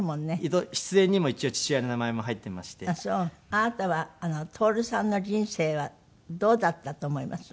あなたは徹さんの人生はどうだったと思います？